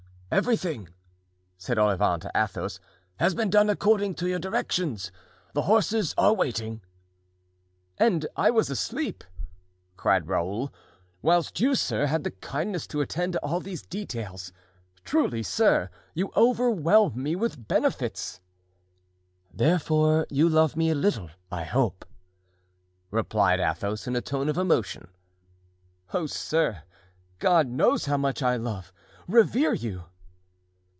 "Everything," said Olivain to Athos, "has been done according to your directions; the horses are waiting." "And I was asleep," cried Raoul, "whilst you, sir, you had the kindness to attend to all these details. Truly, sir, you overwhelm me with benefits!" "Therefore you love me a little, I hope," replied Athos, in a tone of emotion. "Oh, sir! God knows how much I love, revere you."